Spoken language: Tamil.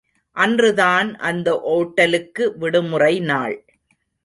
அன்றுதான் அந்த ஒட்டலுக்கு விடுமுறை நாள்.